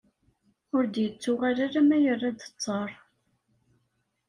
Ur d-yettuɣal alma yerra-d ttar